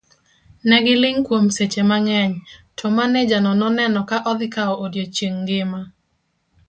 Ne giling' kuom seche mangeny, to maneja no neno ka odhi kawo odiochieng' ngima.